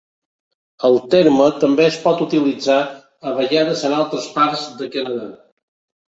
El terme també es pot utilitzar a vegades en altres parts de Canadà.